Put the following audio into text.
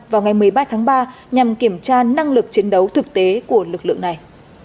vào ngày một mươi ba tháng ba nhằm kiểm tra năng lực chiến đấu thực tế của lực lượng này